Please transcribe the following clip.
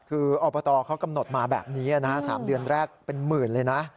คืออบตเขากำหนดมาแบบนี้๓เดือนแรกเป็นหมื่นเลยนะ